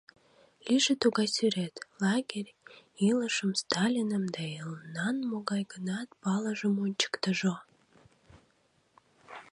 Лийже тугай сӱрет: лагерь, илышым, Сталиным да элнан могай-гынат палыжым ончыктыжо.